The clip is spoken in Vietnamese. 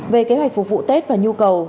về kế hoạch phục vụ tết và nhu cầu